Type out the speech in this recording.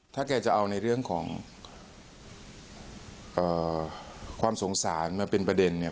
ถ้าแกจะเอาในเรื่องของความสงสารมาเป็นประเด็นเนี่ย